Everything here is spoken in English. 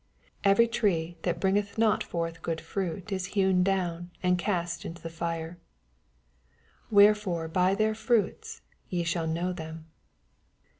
19 Every tree thai bringeth ndl forth good frait is hewn down, and ca^t into the Are. 20 Wherefore by their froita y« shall know them.